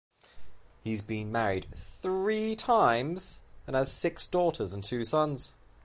He has been married three times, and has six daughters and two sons.